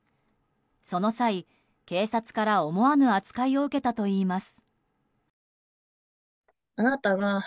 その際、警察から思わぬ扱いを受けたといいます。